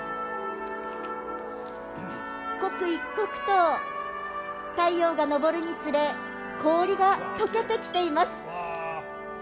刻一刻と太陽が昇るにつれ氷が解けてきています。